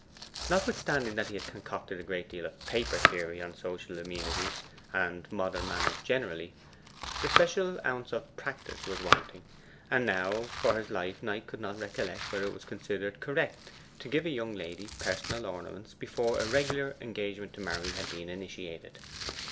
Notwithstanding that he had concocted a great deal of paper theory on social amenities and modern manners generally, the special ounce of practice was wanting, and now for his life Knight could not recollect whether it was considered correct to give a young lady personal ornaments before a regular engagement to marry had been initiated.